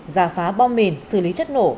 giả phá bom mìn xử lý chất nổ